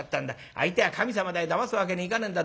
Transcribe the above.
相手は神様だよだますわけにいかねえんだ。